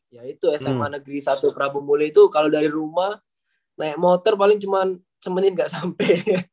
ya itu sma negeri satu prabu muli itu kalau dari rumah naik motor paling cuman semenit nggak sampai